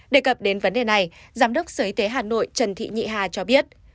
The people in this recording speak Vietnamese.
đề cập đến vấn đề này giám đốc sở y tế hà nội trần thị nhị hà cho biết